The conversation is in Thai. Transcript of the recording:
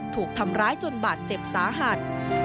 ถูกทำร้ายจนบาดเจ็บสาหัส